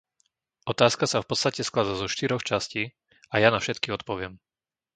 Otázka sa v podstate skladá zo štyroch častí, a ja na všetky odpoviem.